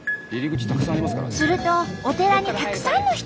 するとお寺にたくさんの人が。